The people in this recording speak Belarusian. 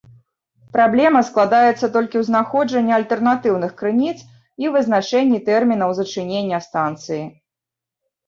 Праблема складаецца толькі ў знаходжанні альтэрнатыўных крыніц і вызначэнні тэрмінаў зачынення станцыі.